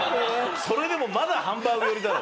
それでもまだハンバーグ寄りだろ。